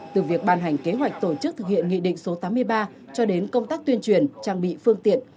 từ việc ban hành kế hoạch tổ chức thực hiện nghị định số tám mươi ba cho đến công tác tuyên truyền trang bị phương tiện